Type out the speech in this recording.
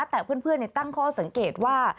แต่เพื่อนตั้งข้อสังเกตว่า